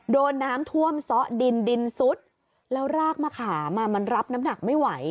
โดนน้ำท่วมซ้อดินดินซุดแล้วรากมะขามมันรับน้ำหนักไม่ไหว